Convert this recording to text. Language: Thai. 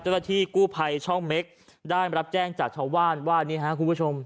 เจ้าหน้าที่กู้ภัยช่องเม็กได้รับแจ้งจากชาวบ้านว่านี่ฮะคุณผู้ชม